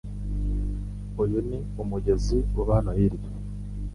Uyu ni umugezi uba hano hirya